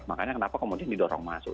makanya kenapa kemudian didorong masuk